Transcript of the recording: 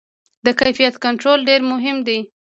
د کیفیت کنټرول ډېر مهم دی.